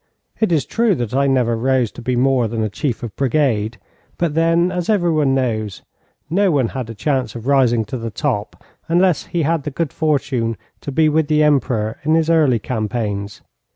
It is true that I never rose to be more than a chief of brigade, but then, as everyone knows, no one had a chance of rising to the top unless he had the good fortune to be with the Emperor in his early campaigns.